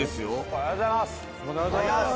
ありがとうございます。